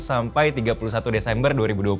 sampai tiga puluh satu desember dua ribu dua puluh satu